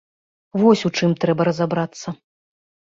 Вось у чым трэба разабрацца.